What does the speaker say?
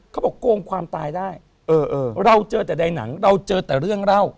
โกงความตายได้เราเจอแต่ในหนังเราเจอแต่เรื่องเล่า